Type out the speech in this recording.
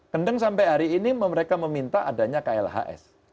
kendeng sampai hari ini mereka meminta adanya klhs